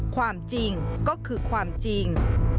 ความจริงก็คือความจริง